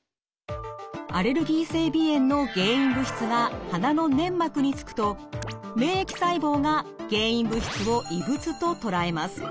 アレルギー性鼻炎の原因物質が鼻の粘膜につくと免疫細胞が原因物質を異物と捉えます。